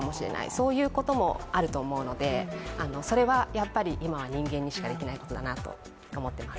そういうこともあると思うのでそれはやっぱり今は人間にしかできないことだなと思ってます。